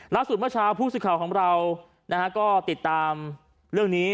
เมื่อเช้าผู้สื่อข่าวของเราก็ติดตามเรื่องนี้